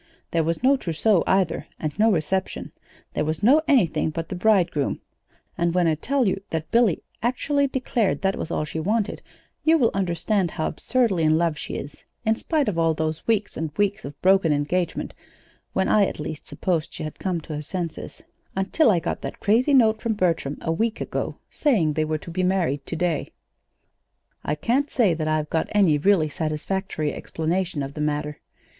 There was no trousseau, either, and no reception. There was no anything but the bridegroom; and when I tell you that Billy actually declared that was all she wanted, you will understand how absurdly in love she is in spite of all those weeks and weeks of broken engagement when I, at least, supposed she had come to her senses, until I got that crazy note from Bertram a week ago saying they were to be married today. "I can't say that I've got any really satisfactory explanation of the matter.